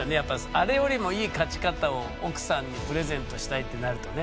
あれよりもいい勝ち方を奥さんにプレゼントしたいってなるとね。